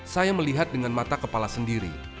saya melihat dengan mata kepala sendiri